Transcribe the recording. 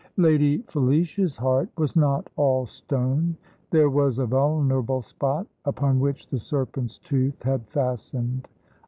Lady Felicia's heart was not all stone; there was a vulnerable spot upon which the serpent's tooth had fastened.